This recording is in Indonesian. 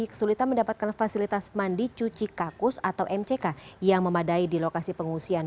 kesulitan mendapatkan fasilitas mandi cuci kakus atau mck yang memadai di lokasi pengungsian